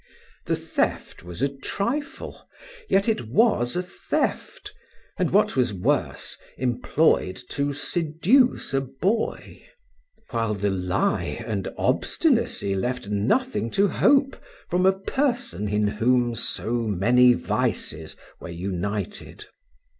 The theft was a trifle, yet it was a theft, and, what was worse, employed to seduce a boy; while the lie and obstinacy left nothing to hope from a person in whom so many vices were united.